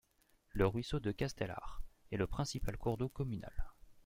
Le ruisseau de Castellare est le principal cours d'eau communal.